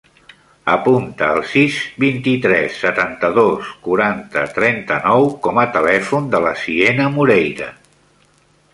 Apunta el sis, vint-i-tres, setanta-dos, quaranta, trenta-nou com a telèfon de la Siena Moreira.